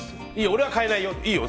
俺は変えないよ。